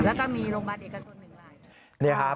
แล้วก็มีโรงพยาบาลเอกชน๑รายนะครับ